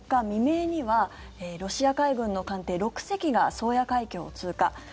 未明にはロシア海軍の艦艇６隻が宗谷海峡を通過。